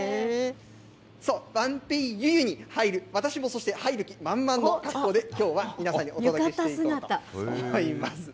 晩白柚湯に入る、私もそして入る気満々の格好できょうは皆さんにお届けしていこうと思います。